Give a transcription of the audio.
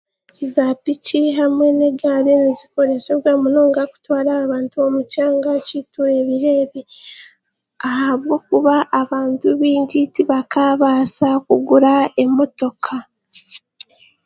Z'apiiki hamwe n'egaali nizikoresebwa munonga kutwala abantu omu'kyanga ky'eitu ebiro ebi ahabw'okuba abantu baingi tibakaabaasa kugura emotoka.